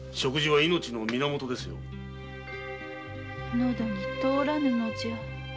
ノドに通らぬのじゃ。